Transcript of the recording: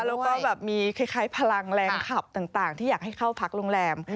แล้วก็แบบมีคล้ายพลังแรงขับต่างที่อยากให้เข้าพักโรงแรม